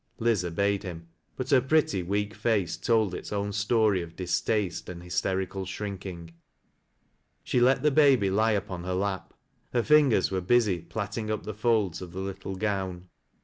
Li/, obeyed him ; but her pretty, weak face told its own story of distaste and hysterical shrinking. She let the baby lie upon her lap ; her fingers were busy plaiting \x\ folds of the little gown.